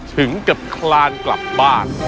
ถึงกับคลานกลับบ้าน